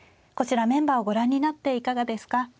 こちらメンバーをご覧になっていかがですか。